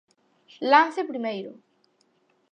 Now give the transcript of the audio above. Lance Primeiro.